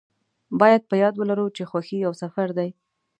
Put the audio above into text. باید په یاد ولرو چې خوښي یو سفر دی.